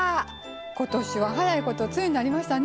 今年は早いこと梅雨になりましたね。